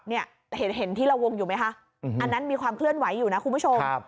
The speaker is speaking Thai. เห็นที่เราวงอยู่ไหมคะอันนั้นมีความเคลื่อนไหวอยู่นะคุณผู้ชม